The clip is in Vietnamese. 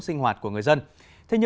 sinh hoạt của người dân